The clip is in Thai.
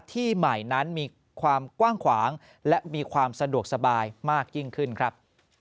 ที่ใหม่นั้นมีความกว้างขวางและมีความสะดวกสบายมากยิ่งขึ้นครับ